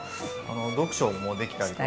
読書もできたりとか。